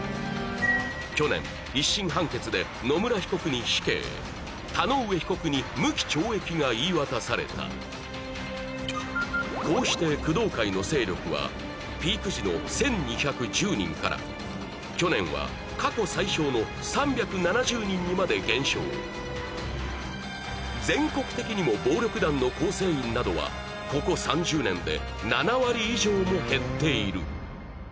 去年一審判決で野村被告に死刑田上被告に無期懲役が言い渡されたこうして工藤会の勢力はピーク時の１２１０人から去年は過去最少の３７０人にまで減少全国的にも暴力団の構成員などはここ３０年で７割以上も減っている